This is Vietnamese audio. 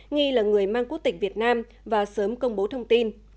nghi là người mang quốc tịch việt nam và sớm công bố thông tin